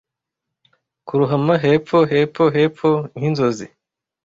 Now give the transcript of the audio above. Kurohama hepfo, hepfo, hepfo nkinzozi!